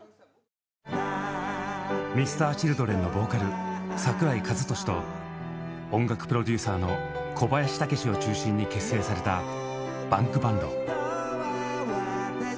Ｍｒ．Ｃｈｉｌｄｒｅｎのボーカル櫻井和寿と音楽プロデューサーの小林武史を中心に結成されたＢａｎｋＢａｎｄ。